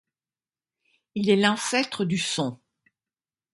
Il est l'ancêtre du son.